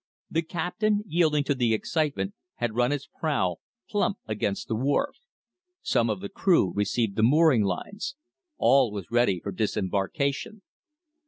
The captain, yielding to the excitement, had run his prow plump against the wharf. Some of the crew received the mooring lines. All was ready for disembarkation.